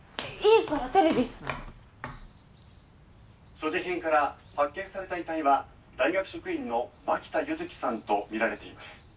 「所持品から発見された遺体は大学職員の槙田柚生さんと見られています」